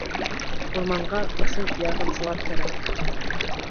Урманға ысын ярҙамсылар кәрәк.